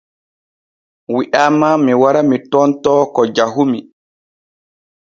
Wi’aama mi wara mi tontoo ko jahumi.